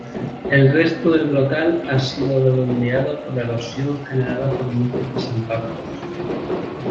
El resto del brocal ha sido redondeado por la erosión generada por múltiples impactos.